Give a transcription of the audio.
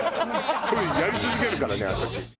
１人やり続けるからね私。